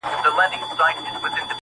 د خلکو کورونو ته اورونه اچولي -